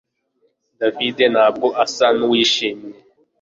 David ntabwo asa nuwishimye